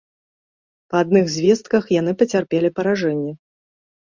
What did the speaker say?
Па адных звестках, яны пацярпелі паражэнне.